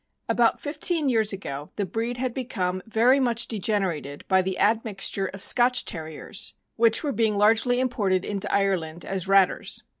About fifteen years ago the breed had become very much degenerated by the admixture of Scotch Terriers, which were being largely imported into Ireland as ratters.